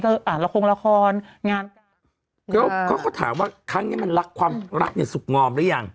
เขาก็ถามว่าครั้งนี้มันรักความรักเนี่ยสุขงอมรึยัง